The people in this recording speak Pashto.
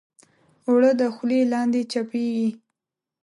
اوړه د خولې لاندې چپېږي